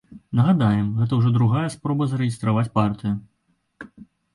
Нагадаем, гэта ўжо другая спроба зарэгістраваць партыю.